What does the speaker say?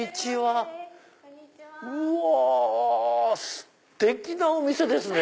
うわステキなお店ですね！